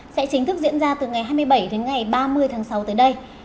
sẽ chính thức diễn ra từ ngày hai mươi bảy đến ngày ba mươi tháng sáu tới đây